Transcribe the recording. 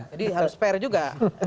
jadi harus fair juga